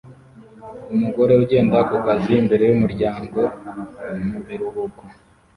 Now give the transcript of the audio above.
Umugore ugenda kukazi imbere yumuryango mubiruhuko